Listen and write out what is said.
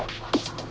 udah pak gausah pak